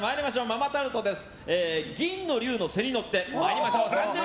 ママタルトです